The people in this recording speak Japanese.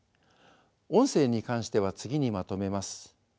音声に関しては次にまとめます。